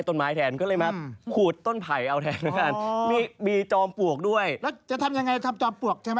จะทำยังไงจอมปวกใช่ไหม